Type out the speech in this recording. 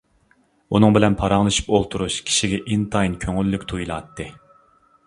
ئۇنىڭ بىلەن پاراڭلىشىپ ئولتۇرۇش كىشىگە ئىنتايىن كۆڭۈللۈك تۇيۇلاتتى.